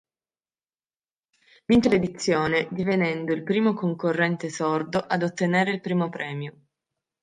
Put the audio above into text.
Vince l'edizione divenendo il primo concorrente sordo ad ottenere il primo premio.